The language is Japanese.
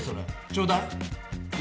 ちょうだい！